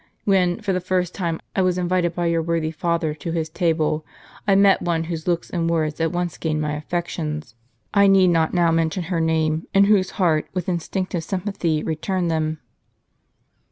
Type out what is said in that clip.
When, for the first time, I was invited by your worthy father to his table, I met one whose looks and words at once gained my affections, — I need not now mention her name, — and whose heart, with instinctive sympathy, returned them."